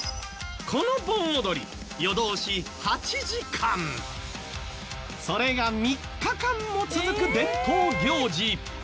この盆踊り夜通し８時間それが３日間も続く伝統行事。